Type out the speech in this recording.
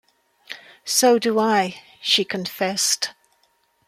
"So do I," she confessed.